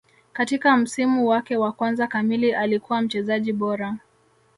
Katika msimu wake wa kwanza kamili alikuwa mchezaji bora